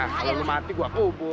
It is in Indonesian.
kalau lu mati gua kubur